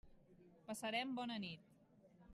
Passarem bona nit.